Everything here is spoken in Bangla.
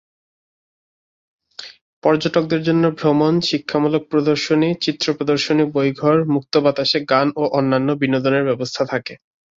পর্যটকদের জন্য ভ্রমণ, শিক্ষামূলক প্রদর্শনী, চিত্র প্রদর্শনী বই-ঘর, মুক্ত বাতাসে গান ও অন্যান্য বিনোদনের ব্যবস্থা থাকে।